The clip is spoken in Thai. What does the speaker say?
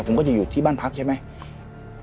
ผมก็จะอยู่ที่บ้านพักใช่ไหม